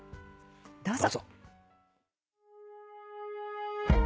どうぞ。